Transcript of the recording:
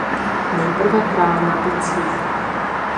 Nejprve hrál na bicí.